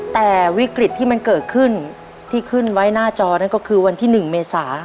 แต่วิกฤตที่มันเกิดขึ้นที่ขึ้นไว้หน้าจอนั่นก็คือวันที่๑เมษา